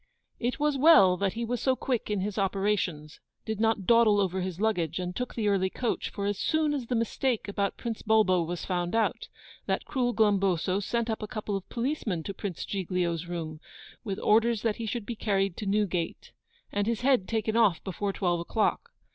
It was well that he was so quick in his operations, did not dawdle over his luggage, and took the early coach, for as soon as the mistake about Prince Bulbo was found out, that cruel Glumboso sent up a couple of policemen to Prince Giglio's room, with orders that he should be carried to Newgate, and his head taken off before twelve o'clock.